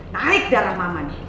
naik darah mama nih